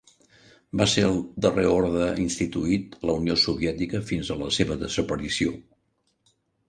Va ser el darrer orde instituït a la Unió Soviètica fins a la seva desaparició.